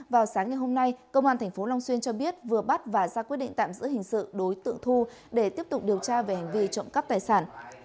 vào sáng ngày hôm nay công an tp long xuyên cho biết vừa bắt và ra quyết định tạm giữ hình sự đối tượng thu để tiếp tục điều tra về hành vi trộm cắp tài sản